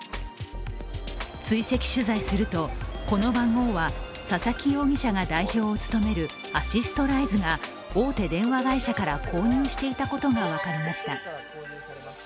追跡取材すると、この番号は佐々木容疑者が代表を務めるアシストライズが大手電話会社から購入していたことが分かりました。